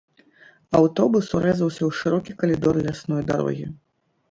Аўтобус урэзаўся ў шырокі калідор лясной дарогі.